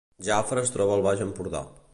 Jafre es troba al Baix Empordà